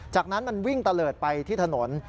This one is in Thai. จากนั้นมันวิ่งตะเลิศไปที่ถนน